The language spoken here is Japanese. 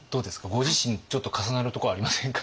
ご自身ちょっと重なるとこありませんか？